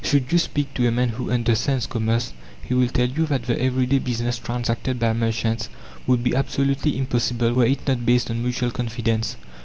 Should you speak to a man who understands commerce, he will tell you that the everyday business transacted by merchants would be absolutely impossible were it not based on mutual confidence.